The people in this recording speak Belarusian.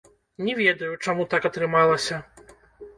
Не ведаю, чаму так атрымалася.